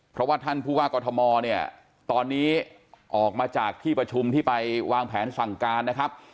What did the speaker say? เพราะว่าท่านผู้ว่ากอทมเนี่ยตอนนี้ออกมาจากที่ประชุมที่ไปวางแผนสั่งการนะครับ